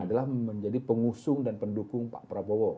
adalah menjadi pengusung dan pendukung pak prabowo